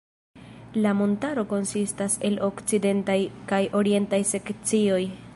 La montaro konsistas el okcidentaj kaj orientaj sekcioj.